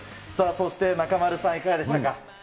さあ、そして中丸さん、いかがでしたか？